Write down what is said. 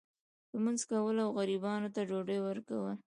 لمونځ کول او غریبانو ته ډوډۍ ورکول.